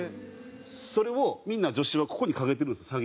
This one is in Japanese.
それをみんな女子はここにかけてるんですよ